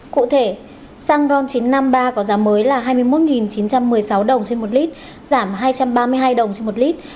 cụ thể xăng ron chín trăm năm mươi ba có giá mới là hai mươi một chín trăm một mươi sáu đồng trên một lít giảm hai trăm ba mươi hai đồng trên một lít